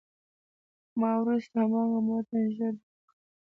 ما وروسته هماغه متن ژر درک کړ.